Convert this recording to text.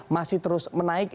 masih terus menaik